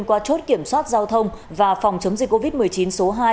qua chốt kiểm soát giao thông và phòng chống dịch covid một mươi chín số hai